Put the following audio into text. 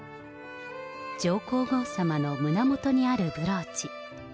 上皇后さまの胸元にあるブローチ。